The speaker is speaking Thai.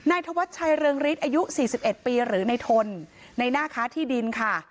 นายธวัชชัยเริงฤทธิ์อายุสี่สิบเอ็ดปีหรือในทนในหน้าค้าที่ดินค่ะ